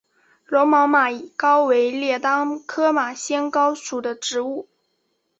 柔毛马先蒿为列当科马先蒿属的植物。